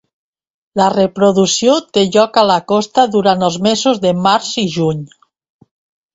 La reproducció té lloc a la costa durant els mesos de març i juny.